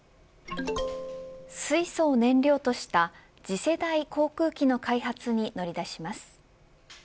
水素を燃料とした次世代航空機の開発に乗り出します。